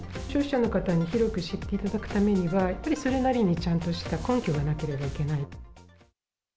消費者の方に広く知っていただくためには、やっぱりそれなりにちゃんとした根拠がなければいけない。